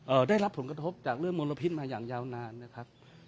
ได้รับผลกระทบจากเรื่องมลพิษมาอย่างยาวนานนะครับ